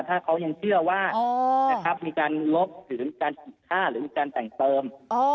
ถ้าเขายังเชื่อว่ามีการลบหรือการฉีดค่าหรือมีการแต่งเติม